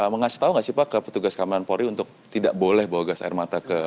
mengasih tahu nggak sih pak ke petugas keamanan polri untuk tidak boleh bawa gas air mata ke